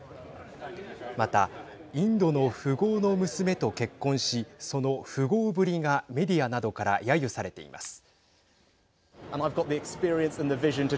また、インドの富豪の娘と結婚しその富豪ぶりがメディアなどからやゆされています。